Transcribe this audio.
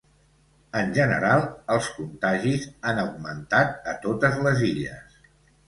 En general, els contagis han augmentat a totes les illes.